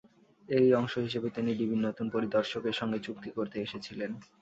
এরই অংশ হিসেবে তিনি ডিবির নতুন পরিদর্শকের সঙ্গে চুক্তি করতে এসেছিলেন।